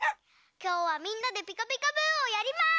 きょうはみんなで「ピカピカブ！」をやります！